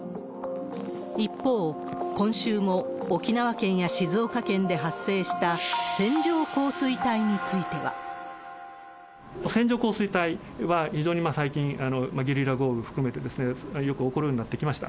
一方、今週も沖縄県や静岡県で発生した線状降水帯については。線状降水帯は非常に最近、ゲリラ豪雨も含めて、よく起こるようになってきました。